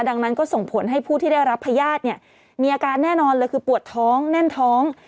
ดังนั้นก็ส่งผลให้ผู้ที่ได้รับพญาติเนี่ยมีอาการแน่นอนเลยคือปวดท้องแน่นท้อง